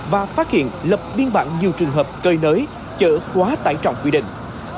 và phát hiện lập biên bản nhiều trường hợp cơi nới chở quá tải trọng quy định